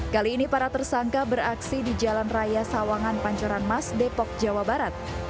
kali ini para tersangka beraksi di jalan raya sawangan pancoran mas depok jawa barat